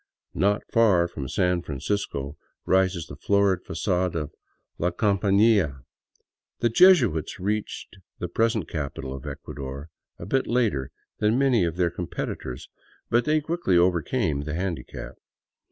Not far from San Francisco rises the florid fagade of ^' La Com pania." The Jesuits reached the present capital of Ecuador a bit later than many of their competitors, but they quickly overcame the handi cap.